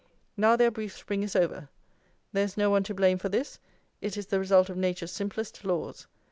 Now their brief spring is over. There is no one to blame for this; it is the result of Nature's simplest laws!"